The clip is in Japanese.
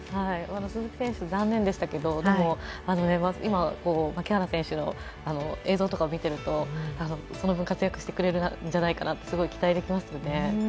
鈴木選手残念でしたけど、今、牧原選手の映像などを見ているとその分、活躍してくれるんじゃないかと、すごく期待できますよね。